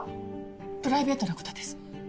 プライベートなことです。